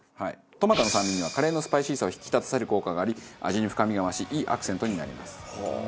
トマトの酸味にはカレーのスパイシーさを引き立たせる効果があり味に深みが増しいいアクセントになります。